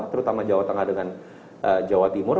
terutama jawa tengah dengan jawa timur